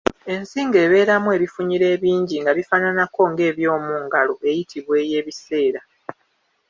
Ensingo ebeeramu ebifunyiro ebingi nga bifaananako ng’ebyomungalo eyitibwa ey’ebiseera.